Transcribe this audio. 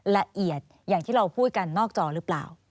ละเอียดอย่างที่เราพูดกันนอกจอหรือเปล่า